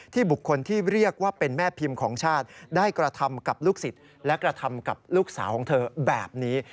บุคคลที่เรียกว่าเป็นแม่พิมพ์ของชาติได้กระทำกับลูกศิษย์และกระทำกับลูกสาวของเธอแบบนี้